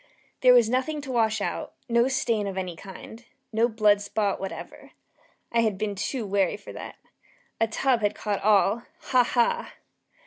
There was nothing to wash out no stain of any kind no blood spot whatever. I had been too wary for that. A tub had caught all ha! ha!